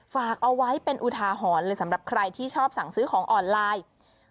ฝากเอาไว้เป็นอุทาหรณ์เลยสำหรับใครที่ชอบสั่งซื้อของออนไลน์